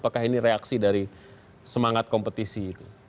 apakah ini reaksi dari semangat kompetisi itu